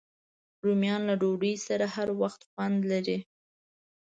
رومیان له ډوډۍ سره هر وخت خوند لري